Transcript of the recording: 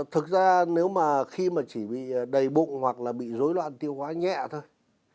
thực ra nếu mà khi mà chỉ bị đầy bụng hoặc là bị dối loạn tiêu hóa nhẹ thôi